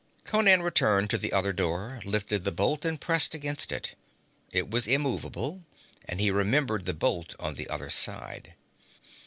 Conan returned to the other door, lifted the bolt and pressed against it. It was immovable and he remembered the bolt on the other side.